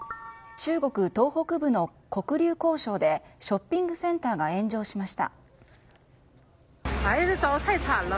中国東北部の黒竜江省でショッピングセンターが炎上しました。